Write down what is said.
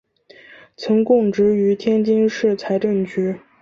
曾供职于天津市财政局。